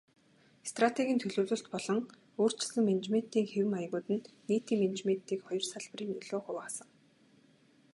Стратегийн төлөвлөлт болон өөрчилсөн менежментийн хэв маягууд нь нийтийн менежментийн хоёр салбарын нөлөөг тусгасан.